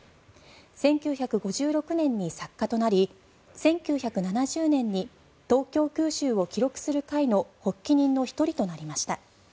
１９５６年に作家となり１９７０年に東京空襲を記録する会の発起人の１人となりました。